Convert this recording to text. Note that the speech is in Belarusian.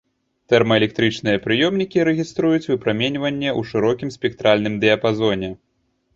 Тэрмаэлектрычныя прыёмнікі рэгіструюць выпраменьванне ў шырокім спектральным дыяпазоне.